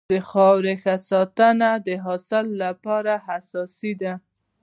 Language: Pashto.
د خاورې ښه ساتنه د حاصل لپاره اساسي ده.